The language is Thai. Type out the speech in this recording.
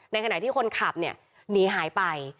ในขณะที่คนขับหนีหายไป